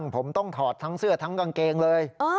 ผมต้องถอดทั้งเสื้อทั้งกางเกงเลย